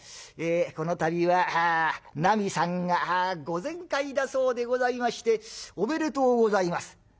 「この度はなみさんがご全快だそうでございましておめでとうございます」。